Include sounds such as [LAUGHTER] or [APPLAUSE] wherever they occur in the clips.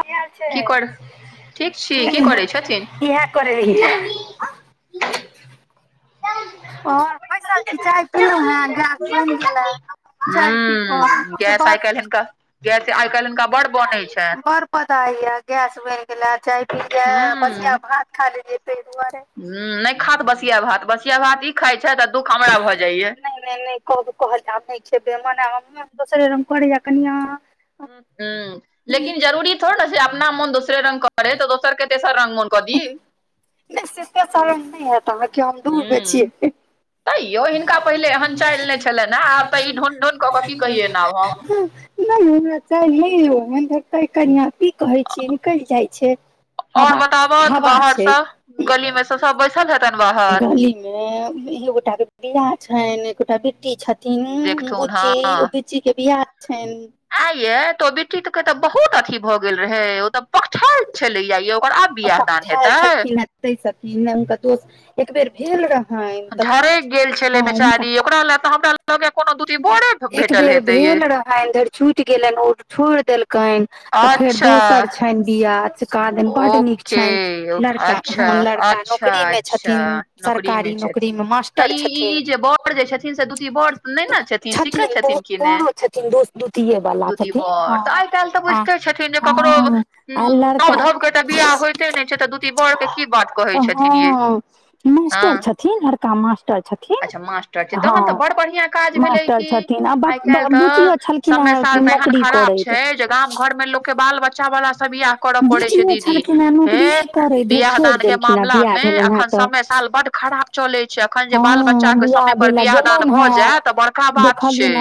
ल छै इह करे हहि आ बैसल छी चाय पीलहु हेँ गैस बनि गेल हं हं गैस आइ काल्हि हिनका गैस आइ काल्हि हुनका बड़ बनैत छनि पदाया गैस बन गेला चाय पीय बसिया भात खा लेलीयै तऽ दुआरे हं नहि खात बसिया भात बसिया भात ई खाइ छै तऽ दुःख हमरा भऽ जाइया नहि नहि कह कहल जा दोसर क [UNINTELLIGIBLE] हं लेकिन जरूरी थोड़ ने जे अपना मोन दोसरे रंगग करे तऽ दोसरके तेसर रंगग मोन कऽ दियी नहि सीतो शर नय हैत अहाँके हम दूर बे छियै [UNINTELLIGIBLE] नहि हमरा च कनि की कहै छी निकल जाइ छय और बताबथ बाहरसँ गली में सब बैसल हेतन बाहर एकगोटा के बिया छनि एगोटा बेटी छथिन बुच्ची दीदी के बियाह छइन तो विटत के तऽ बहुत अथी भऽ गेल रहय ओ तऽ पकठाल छलैय यो ओकर आब बियाह दान नय हेतै दय नमका दोस एक बेर भेर रह झरे गेल छलय बेचारी ओकरा लए तऽ हमरा ल कोनो दूती बरे भेटल हेतय य इधर छुट गेलइन ओ छोड़ देलकन तऽ फेर दोसर छनि बिया [UNINTELLIGIBLE] काद बड्ड नीक छनि लड़का ह लड़का नौकरी में छथिन सरकारी नौकरी में मास्टर छथिन बर जे छथिन से दूती बर ने नऽ छथिन ठीके छथिन की नहि दूती बर तऽ आय काल्हि तऽ बुझते छथिन जे ककरो [UNINTELLIGIBLE] नब धब के तऽ बियाह होइते नहि छै तऽ दूती बर के की बात कहै छथिन ये मास्टर छथिन लड़का मास्टर छथिन हँ बढिया काज भेलैए की आई काल्हि तऽ समय साल तेहन खराब छै जे गाम घर मे लोक के बाल बच्चा वाला सब बियाह कर पड़ै छै दीदी हे बियाह दान के मामलामे अखन समय साल बड्ड खराब चले छै एखैन जे बाल बच्चाकेँ समय पर बियाह दान भऽ जाय तऽ बड़का बात छै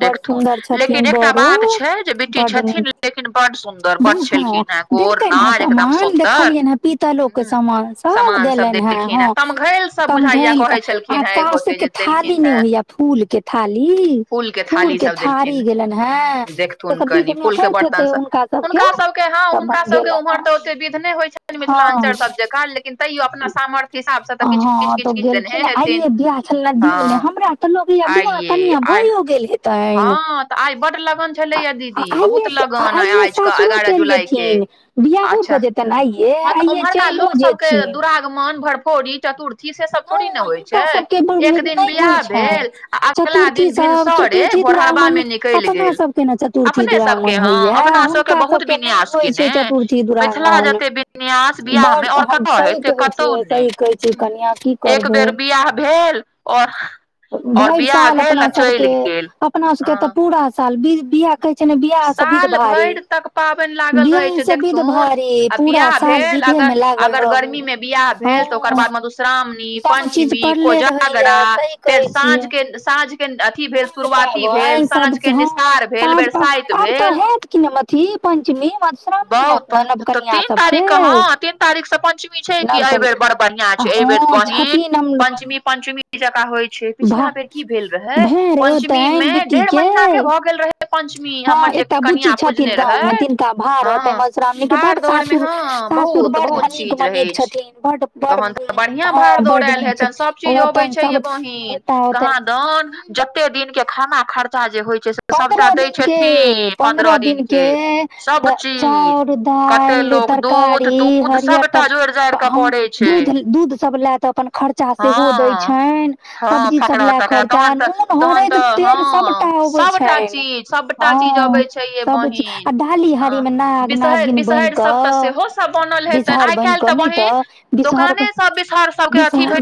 देखथुन लेकिन एकटा बात छै जे बेटी छथिन लेकिन बड्ड सुन्दर बड़ छेल केना गोर नार एकदम सुन्दर हू सामान सब देलखिन ह तमघैल सब बुझाइया कहै छलखिन हे एगोटे जे देलखिन हे फूल के थाली सब देलखिन देखथुन कनि फूल के बर्तन सब हुनका सब हँ हुनका सबके उम्हर तऽ ओत विध नहि होइ छनि मिथिलाञ्चल सब जे लेकिन तैयो अपना सामर्थ्य ह तऽ गेलखिन आइे बियाह छल दिनमे हमरा तऽ लगैया बिियाह कनिआ भइयो [UNINTELLIGIBLE] हेतनिइ आ अइये से आइ सासुरो चैल चलि जेथिन बियाहो भऽ जतैन आइये आइये चैलो जेथिन समान भरपौरी चतुर्थी अथि से सब थोड़ी नऽ होइ छै एक दिन बियाह भेल आ अगला दिन भिनसरे भोरहरबा मे निकल गेल अपने सब के ह अपना सब बहुत बिनियास केने मिथिला जेते बिन यास बियाह मे और कतऽ हयत कतहु नै एक बेर बिआाह भेल आओर आओर बिआाह भेल चलि गेल हँ साल बि बियाह कहै छै न बियाह सँ विध भारी बियाह सँ विध भारी पूरा काल विधेमे लागल रहू हँ सब चीज पड़ले रहैया सही कहै छि पाबनि सब हँ [UNINTELLIGIBLE] आब तऽ हयत कि ने म थी पञ्चमी [UNINTELLIGIBLE] बहुत तऽ तीन तारीख कऽ हँ तीन तारीख सँ पंचमी छै कि एहि बेेर बड़ बढ़िया छै एहि बेर बहिन पञ्चमी पञ्चमी ई जका होइ छै पिछला बेर की भेल रहे पं्चमी में डेढ़ महीना के भए गेल रहे [UNINTELLIGIBLE] पञ्चमी हमर जे कनिआ पूजने रहै हँ भार दौरमे हँ बहुत बहुत चीज रहै अछि तहन तऽ बढ़िया भाड़ दौड़ा आयल हेतैन सभ चीज अबै छै ये बहिन कहाँ दौन जते दिन के खाना खर्चा जे होइ छै से पन्द्रह दिनके पन्द्रह दिनके तऽ चाउर दालि तरकारी हरियर तर तऽ हम दूध दूध सब ले तऽ अपन खर्चा सेहो दैय छनि सब्जी सब लऽ खर्चा नून होरेद तेल सबटा अबै छैन हँ सब चिज आ डाली हारी मे नाग नागिन बैन कऽ बिसहर बनि कऽ नहि तऽ बिसहर बैन विसर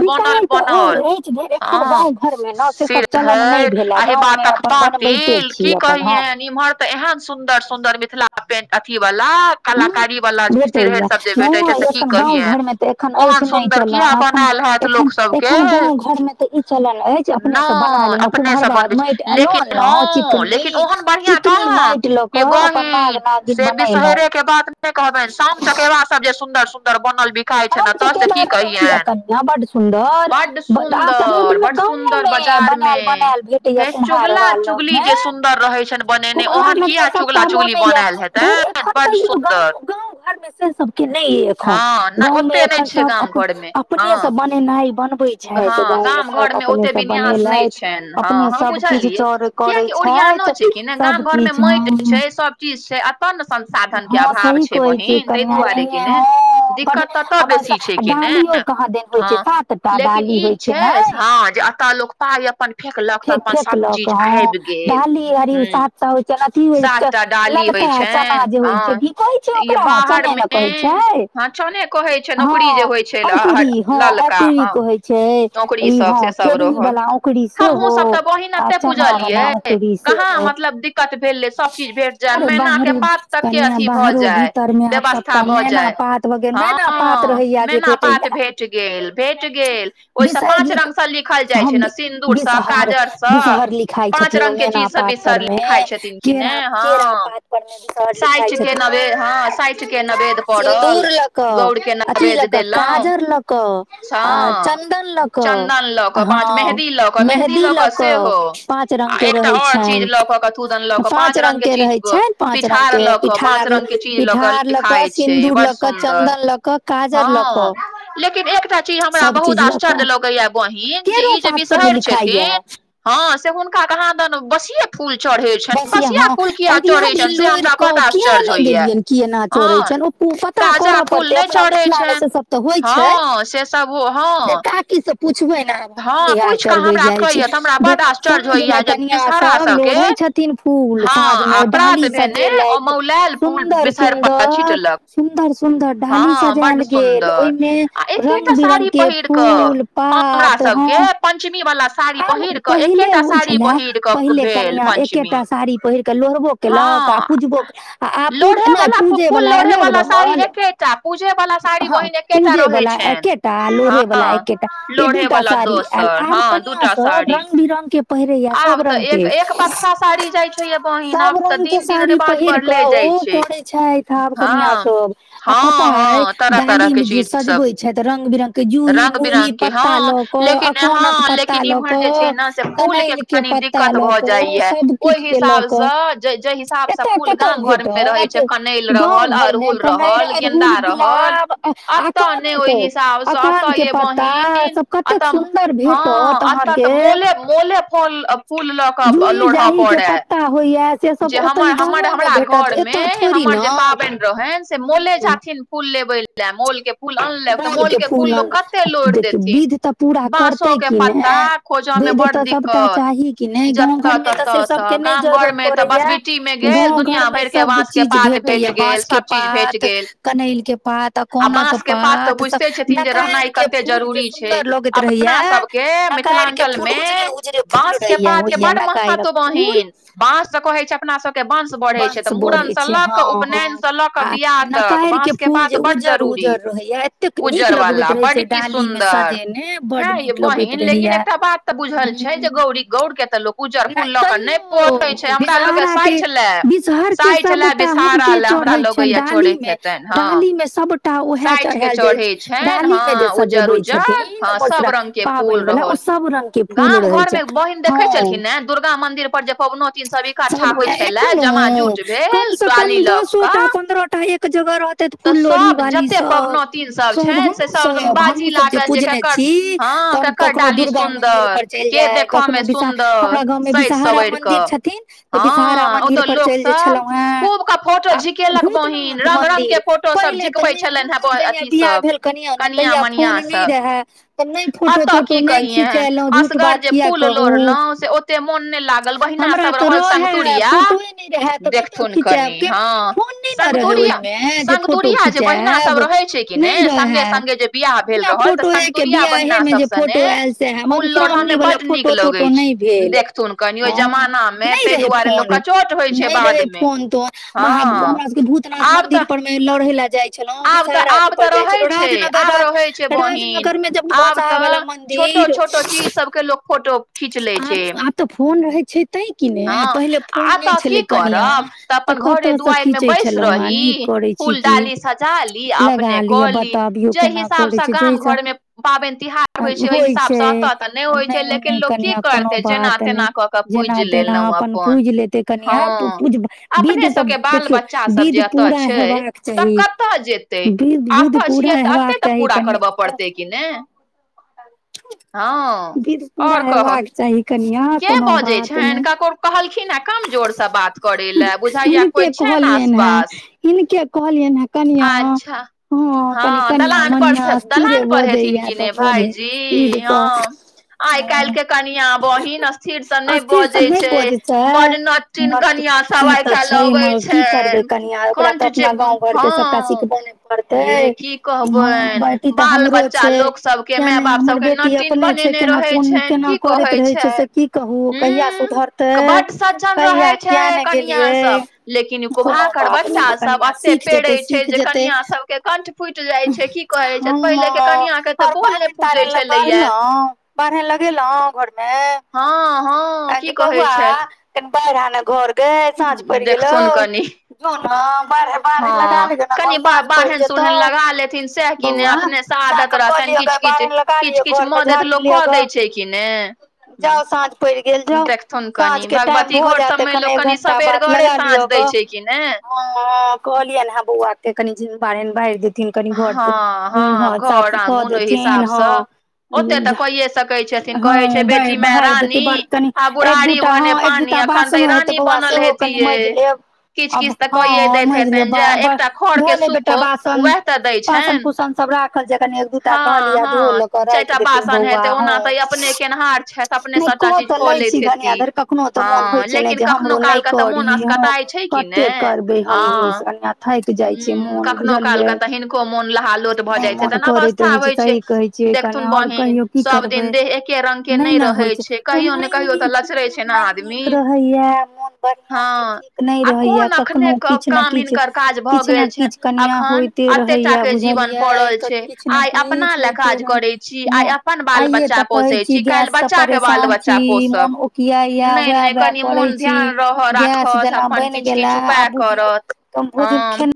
बिकाय तऽ अछि जे एखन गाँ घरमे नऽ से सब चलन नहि भेला बा तक पाातेल की कहियनि इम्हर तऽ एहन सुदर सुदर मिथिला पेंट अथी वाला कलाकारी वाला सिरहैर सब जे भेटै छै से की कहियैन ओहन सुंन्दर किया बनायल हैत लोक सबकेँ नहि अपने सँ बनबै छै लेकिन हँ लेकिन ओहन बढ़िया काहाँ य बहिन से बि सहरे के बात से कहबनि साम चकेबा सब जे सुन्दर सुन्दर बनल बिकाइ छै एतऽ से की कहियैन यह बड बड्ड सुन्दर बड्ड सुन्दर बाजारमे हे चुगला चुगली जे सुंन्दर रहै छनि बनेने ओहन किया चुग चुगला चुगली बनैल हेतै बड्ड सुन्दर घर में से सब के ने ये एखन गांव में एखन सब अपने सब बनेनाय बनबे छथि गाँव मे सब अपने सब‌ बनेलथि अपने सब किछु चाउर करै छथि सभ किछ हँ सब चीज छै एतऽ ने संसाधन के अभाव छै बहिन ताहि दुआरे कि ने दिक्कत ततऽ बेसी छै कि ने हँ लेकिन ई छै हँ जे एतऽ लोक पाइ अपन फेक फेकलक हँ डाली अरी साथ हो ते नाकि हो ललका चना जे होइ छै की कहै छै ओकरा चने ने कहै छै हँ चने कहै छै नौकरी जे होइ छै ललका हँ नौकरी सब से सब रहोन हमहु सब तऽ बहिन एते पुजलिये कहाँ मतलब दिक्कत भेले सभ चीज भेट जाय मैना के पात तक के अथी भऽ जाय व्यवस्था भए जाय हँ मैना पात भेट गेल भेट गेल ओहिसँ पाँच रंगग लिखल जाइ छै ने सिन दुर सब काजर सब पाच रंग के चीज सब बिसर लिखाय छथिन कि ने हँ साइठ के नवेद हँ साठि के नवेद्य पड़ल गौड़ के नवेद्य देलहु स चन्दन ल पाच मेहदीलगब मेह्न्दी लऽ कऽ सेहो, आर एकटा चिज़ लऽ कऽ तुदन पाच रंग के चीज के पिठार ल क पाच रंग के चीज लऽ क लिखाइ छै बड सुन्दर हँ लेकिन एकटा चीज हमरा बहुत आश्चर्य लगैया बहिन जे ई जे पर में लिखा हइ है हँ से हुनका कहा दन बसिये फूल चढ़े बस य हँ अगिला दिन लोढ़ि कऽ किया नहि गेलियनि केएना चरैत छनि ओ ओ पता करऽ पड़तै अपना मिथिलामे से सब तऽ होइत छै जे काकी सब पुछबै ने आ क चरबै जाइ छै साँझ मे कनिया सब लोढ़ै छथिन तीन फूल साँझ मे डाली सजेलथि सुंदर सुंदर सुंदर सुंदर डाली सजायल गेल ओहिमे रंग बिरंग के फूल पात हँ आब पहिले होइ छलए पहिले कनिआ एकेटा साड़ी पहिरका लोढ़बो केलक आ पूजबो आ आ पूजे नहि पूजे बला अलग रहल हँ पूजे वला एकेटा लोढ़े वाला एकेटा ई दूटा साड़ी आब कनिया सब रंग बिरंग के पहिरे या सब रंग के सब रंग के साड़ी पहिर कऽ ओहो करै छथि आब कनिआ सब आ पता अइ डाली मे जे सजबैत छथि रंग बिरंगग के जूही मूही पत्ता लऽ ओ अकोन पत्ता लऽ क कनैल के पत्ता लऽ क सबकिछ के ल कऽ एत कतऽ भेतट गाँव घर मे [UNINTELLIGIBLE] कनैल अड़हुल गुलाब अकानो के अकान के पत्ता सब कतेक सुन्दर भेटत अहाँके जूही जााही के प ता होइए जे हमरर हमरा घरमे हमर जे पाबनि रहनि से मोले जाथिन फूल लेबै लेल मोलके नल के फूलन आ देखियौ विध तऽ पूरा करतै कि ने विदध तऽ सभटा चाही कि नहि गाँव घरमे तऽ से सबके नहि जरूरत पड़ै या गाँंव घरमे सब चीज भेटैए बास के पात कनैल के पात आ कोना क के पात त बुझते छथिन जे रहनाइ कते जरूरी छै अपना सबके मिथिलाञ्चल मे बाँस के पात के बड महत्व बहिन बाँस तऽ कहै छै अपना सभके बाँंस बढ़ै छै तऽ मूड़नसँ लऽ कऽ उपनयनसँ लऽ कऽ बिआह तक बाँंस के बात बड जरूरी उज्जर वाला बडी सुन्दर हँ ये बहिन लेकिन एकटा बात तऽ बुझल छै जे गौरी गौर के तऽ लोक उज्जर फूल लऽ क नहि पड़ हमरा लगै साइठ ले साठि लए बिषहारा लए हमरा लोगया चड़ैत हेतनि हँ बसा पट साइठ के चढ़ै छनि हँ उज्जर उज्जर हँ सब रंगग के फूल रहल गाम घर में बहिन देखै छलखिन ने दुर्गा मंदिर पर जे कोनो एखनो कम से कम दसोटा पन्द्रहटा जगह रहते तऽ फूल लोढ़ी काली सब हमहु सब हमहु सब जे पूजने छी त कखनो दुर्गा मंदिर पर चलि जाइ कखनो विषा हमरा गाँवमे विषहारा मंदिर छथिन तऽ विषहारा मंदिर पर चल जे छलहुँ है आ भूतनाथ मंदिर पहिले तऽ नय हमरा जहिया बियाह भेल कनिआ ने तहिया फोन नहि रहे तऽ नहि फोटो तोटो नय खिचेलहुँ झूठ बात किया कहू तऽ मन नहि लाग गल बहिना सब रहल सगतुरिया देखथुन कनि हँ सगतरिया सगतुरिया जे बहिन अपना सब रहे छय कि ने संगे संगे जे बियाह भेल रहल तऽ संतुरिया बहिना सब ने फूल लोढ़ऽ मे बड नीक लगै छय देख सुन कनि ओहि जमाना मे ताहि दुआरे लोक अचोट होइ छै बाद में [UNINTELLIGIBLE] हमरा सब केँ भूतनाथ मंदिर पर मे लोढ़े लऽ जाय छलो विषारा पर जाइ छल राजनगर राजनगर में जे बसा वला मंच आ अत फोन रहै छै ते कि ने पहिले फोन नहि छलय कनिया तऽ कतयसँ खीचे छलहुं ह हैं नीक करैत छी की लगा लिअ बताबियौ केना करै छय जहिसँ होइ छै नहि उने कनआ कोनो बात नय जेना तेना अपन पूज लेते कनियाँ तू पूज भऽ विध सब देखियउ विध पूरा हेबाक चाही बिध बुध पूरा हेबाक चाही कनिय विध पूरा हेबाक चाही कनिया के बजै छनि ककरो कहलखिन हेँ कमजोरसँ बात करय लए बुझाइया खइ छ ने आसपास हनक कलनाै अच्छा हँ दलान पर दलान पर हेथिन कि नय भाईजी हँ आइ काइल के कनियाँ बहिन थिर से नहि बजे छय बड नटिन कनिया सब आइ काल अबे छै कनिआ ओकरा तऽ अपना गाँव सबटा सिखबे ने पड़ते हं बटी तऽ हमरो छै किया नइ हमर बेटी अपने छै केना कोन केना करैत रहै छै से की कहब ओ कहिया सुधरतै कहिया किया नय गेलियै कोनो बात नय ब कनियाँ सीख जेतै सीख जेतय हम्म ओर बाढ़ ताढ़नि लऽ बढ़लो बाढ़े लगेलों घर मे हाँ हाँ गे बौआ कते रहै न घर गय साँझ पड़ गेलौ जो ने बाढ़ बाढ़ लगा ले ने भरसाझ पड़ जेतौ बौआ जाकऽ कहलियअ ग बाल में लगा लियअ घर मे झाड़ लियअ ग जाउ साँझ पड़ गेल ज साँझ के टाइम भ जायतखन एक घंटा बाद लगा लिअ ग हं कहलियनि हँ बौआ के कनिन बार बारि दे थिन कनि घर हँ साफ कऽ देथिन हँ हँ बाहर बड़ कनि एक दूटा हँ एक दूटा बासनो हैं तऽ बौआ सेहो कनि मजि लेब अ हँ मजले धोअल बेटा बासन पासन कुसन सब राखल जे कनि एक दूटा कहलियै धो लऽ कऽ राख देथिन बौआ हँ केनाहारर छइथ अपने सबटा चीज कऽ ले हेती हँ लेकिन कखनो काल के तऽ मोन असकटाइ छय कि ने हं हं कखनो कालक तऽ हिनको मोन लहा लोट भऽ जाइत छैे तऽ ने अवस्था होइ छय देखथुन बहिन सब दिन देह एके रंग के नय रहे छै कहियो ने कहियो तऽ लचरे छय ने आदमी हँ आ कोन एखने काम हिनकर काज भऽ गेल छइन एखन एते टा के जीवन पड़ल छय आइ अपना ले काज करे छी आइ आ अपन बाल बच्चा पोषै छी काल्हि बच्चा के ब करत तब भोज खेने